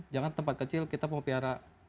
jangan tempat kecil kita mau piara